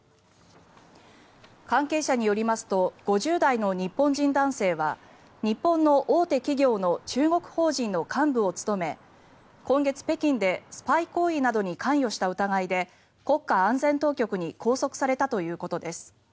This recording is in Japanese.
関係者によりますと５０代の日本人男性は日本の大手企業の中国法人の幹部を務め今月、北京でスパイ行為などに関与した疑いで国家安全当局に拘束されたということです。